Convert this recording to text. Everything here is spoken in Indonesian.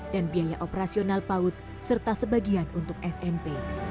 dan biaya operasional paud serta sebagian untuk smp